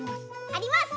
あります。